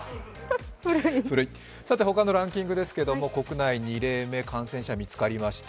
他のランキングですけれども国内２例目、感染者見つかりました。